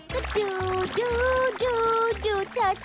ก็ดูดูดูดูเฉย